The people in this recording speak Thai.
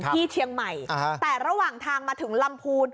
ที่เชียงใหม่แต่ระหว่างทางมาถึงลำพูน